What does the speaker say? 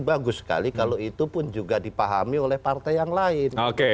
bagus sekali kalau itu pun juga dipahami oleh partai yang lain